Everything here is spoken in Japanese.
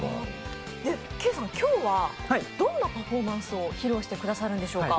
今日はどんなパフォーマンスを披露してくださるんでしょうか？